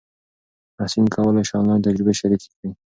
محصلین کولای سي آنلاین تجربې شریکې کړي.